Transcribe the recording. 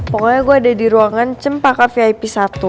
pokoknya gue ada di ruangan cem pakar vip satu